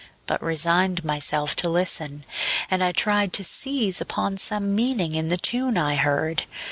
but resigned Myself to listen, and I tried to seize Upon some meaning in the tune I heard.